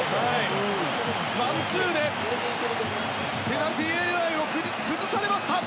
ワンツーでペナルティー内を崩されました。